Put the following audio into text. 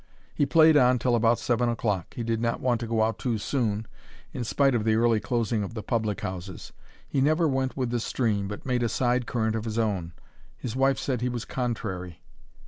He played on till about seven o'clock; he did not want to go out too soon, in spite of the early closing of the public houses. He never went with the stream, but made a side current of his own. His wife said he was contrary.